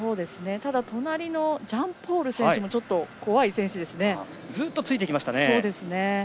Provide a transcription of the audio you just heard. ただ、隣のジャンポール選手もずっとついてきましたね。